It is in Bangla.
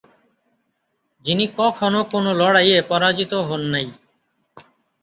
যিনি কখনো কোন লড়াইয়ে পরাজিত হোন নাই।